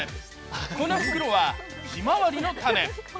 この袋は、ひまわりの種。